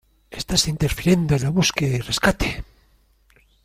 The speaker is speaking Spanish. ¡ Estás interfiriendo en la búsqueda y rescate!